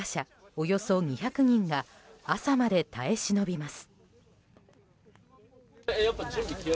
およそ２００人が朝まで耐え忍びます。